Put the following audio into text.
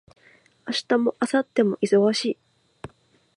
明日も明後日も忙しい